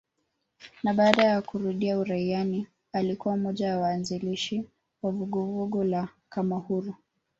Na baada ya kurudi uraiani alikuwa mmoja wa waanzilishi wa vuguvugu la kamahuru